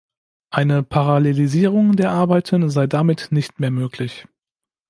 Eine Parallelisierung der Arbeiten sei damit nicht mehr möglich.